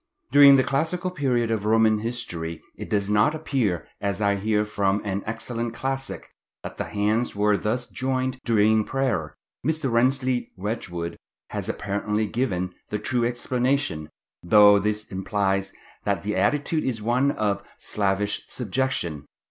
During the classical period of Roman history it does not appear, as I hear from an excellent classic, that the hands were thus joined during prayer. Mr. Rensleigh Wedgwood has apparently given the true explanation, though this implies that the attitude is one of slavish subjection.